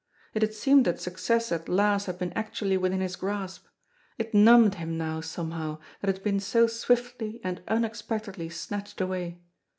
It had seemed that success at last had been actually within his grasp. It numbed him now somehow that it had been so swiftly and unexpectedly snatched away.